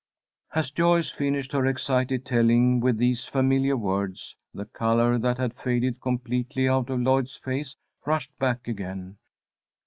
As Joyce finished her excited telling with these familiar words, the colour that had faded completely out of Lloyd's face rushed back again.